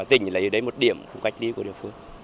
tỉnh lấy đến một điểm cách đi của địa phương